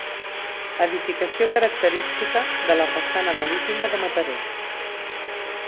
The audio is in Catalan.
Edificació característica de la façana marítima de Mataró.